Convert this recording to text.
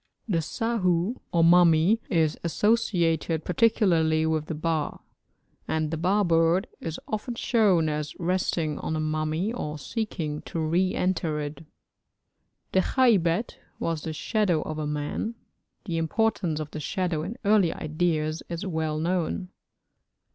The sahu or mummy is associated particularly with the ba; and the ba bird is often shown as resting on the mummy or seeking to re enter it. The khaybet was the shadow of a man; the importance of the shadow in early ideas is well known.